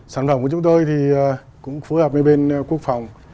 sản phẩm của chúng tôi thì cũng phù hợp với bên quốc phòng